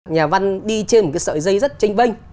nhà văn đi trên một cái sợi dây rất tranh vanh